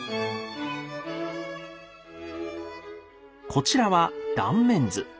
こちらは断面図。